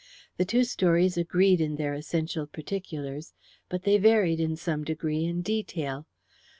The two stories agreed in their essential particulars, but they varied in some degree in detail.